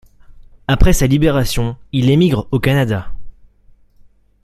Après sa libération il émigre au Canada.